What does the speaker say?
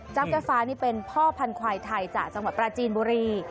แก้ฟ้านี่เป็นพ่อพันธวายไทยจากจังหวัดปราจีนบุรี